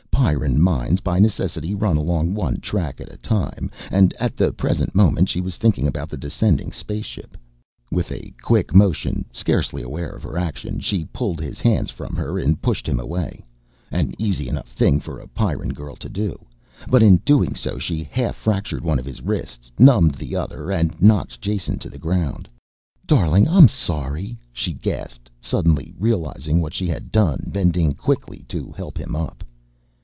Pyrran minds, by necessity, run along one track at a time, and at the present moment she was thinking about the descending spaceship. With a quick motion, scarcely aware of her action, she pulled his hands from her and pushed him away, an easy enough thing for a Pyrran girl to do. But in doing so she half fractured one of his wrists, numbed the other, and knocked Jason to the ground. "Darling ... I'm sorry," she gasped, suddenly realizing what she had done, bending quickly to help him up.